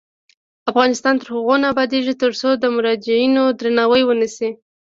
افغانستان تر هغو نه ابادیږي، ترڅو د مراجعینو درناوی ونشي.